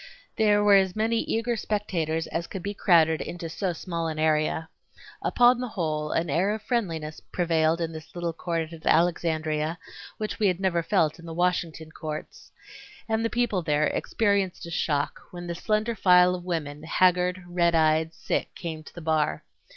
There were as many eager spectators as could be crowded into so small an area. Upon the whole an air of friendliness prevailed in this little court at Alexandria which we had never felt in the Washington courts. And the people there experienced a shock when the slender file of women, haggard, red eyed, sick, came to the bar.